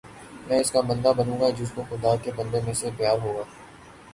میں اس کا بندہ بنوں گا جس کو خدا کے بندوں سے پیار ہوگا